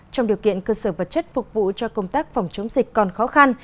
trong điều kiện cơ sở vật chất phục vụ cho công tác phòng chống dịch còn khó khăn